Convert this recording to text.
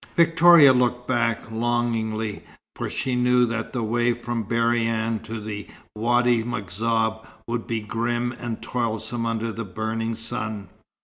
Victoria looked back longingly, for she knew that the way from Berryan to the Wady M'Zab would be grim and toilsome under the burning sun.